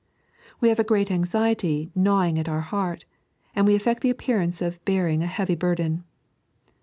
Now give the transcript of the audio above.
We have a great anxiety gnawing at our heart, and we affect the appearance of bearing a heavy biwlen.